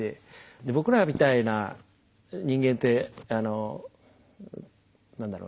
で僕らみたいな人間ってあの何だろう。